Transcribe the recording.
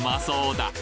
だ